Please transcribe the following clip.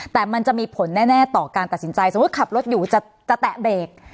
แต่มันจะมีผลแน่ต่อการตัดสินใจสมมุติขับรถอยู่จะแตะเบรก